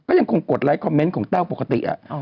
ก็ยังคงกดไลค์คอมเมนต์ของแต้วปกติ